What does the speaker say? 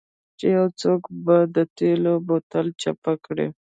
چې یو څوک به د تیلو بوتل چپه کړي